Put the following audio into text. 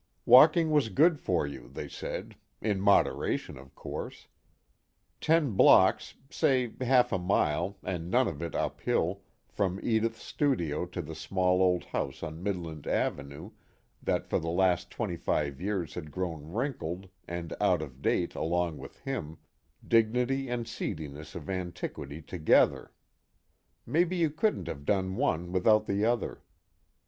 Walking was good for you, they said in moderation, of course. Ten blocks, say half a mile and none of it uphill, from Edith's studio to the small old house on Midland Avenue that for the last twenty five years had grown wrinkled and out of date along with him, dignity and seediness of antiquity together; maybe you couldn't have one without the other.